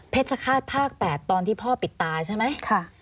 ฆาตภาค๘ตอนที่พ่อปิดตาใช่ไหม